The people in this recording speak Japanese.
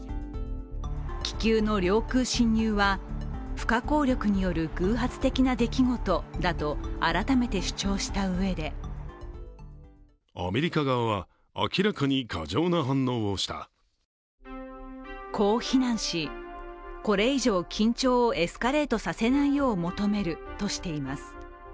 気球の領空侵入は不可抗力による偶発的な出来事だと改めて主張したうえでこう非難し、これ以上緊張をエスカレートさせないよう求めるとしています。